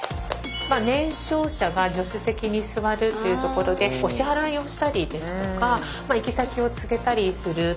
年少者が助手席に座るっていうところでお支払いをしたりですとか行き先を告げたりするという意味で。